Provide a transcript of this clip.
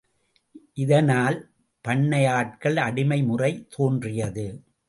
இதனால் பண்ணையாட்கள் அடிமை முறை தோன்றியது.